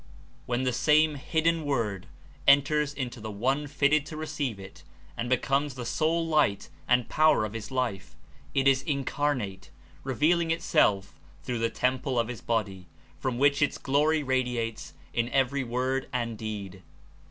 When the same "Hidden Word" enters into the One fitted to receive it and becomes the sole light and power of his life, it is "incarnate," revealing itself through the temple of his body, from which its glory radiates In every word and deed.